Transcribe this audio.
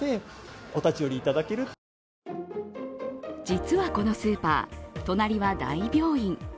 実は、このスーパー隣は大病院。